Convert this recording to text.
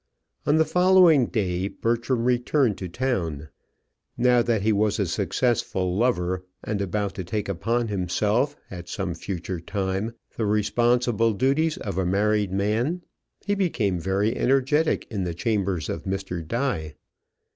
On the following day Bertram returned to town. Now that he was a successful lover, and about to take upon himself at some future time the responsible duties of a married man, he became very energetic in the chambers of Mr. Die.